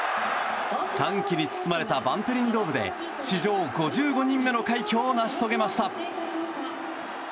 歓喜に包まれたバンテリンドームで史上５５人目の快挙を成し遂げました。